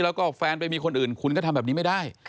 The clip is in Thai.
แล้วก็แฟนไปมีคนอื่นคุณก็ทำแบบนี้ไม่ได้